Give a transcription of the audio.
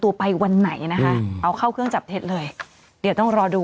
ตัวไปวันไหนนะคะเอาเข้าเครื่องจับเท็จเลยเดี๋ยวต้องรอดู